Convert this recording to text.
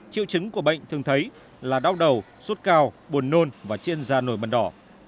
chiều chứng của bệnh thường thấy là đau đầu sốt cao buồn nôn và trên da nổi bần đỏ